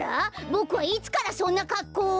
ボクはいつからそんなかっこうを！？